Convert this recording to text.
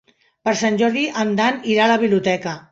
Per Sant Jordi en Dan irà a la biblioteca.